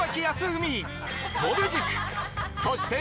そして。